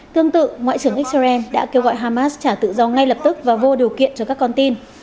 tương tự ngoại trưởng israel đã kêu gọi hamas trả tự do ngay lập tức và vô điều kiện cho các con tin